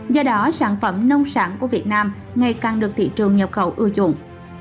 do đó sản phẩm nông sản của việt nam ngày càng được thị trường nhập khẩu ưu dụng